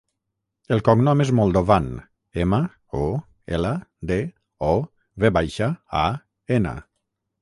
El cognom és Moldovan: ema, o, ela, de, o, ve baixa, a, ena.